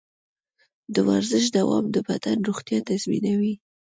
د ورزش دوام د بدن روغتیا تضمینوي.